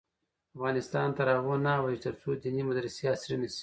افغانستان تر هغو نه ابادیږي، ترڅو دیني مدرسې عصري نشي.